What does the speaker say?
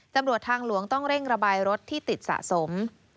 ตำรวจทางหลวงต้องเร่งระบายรถที่ติดสะสม